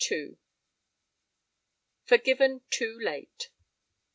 FORGIVEN TOO LATE.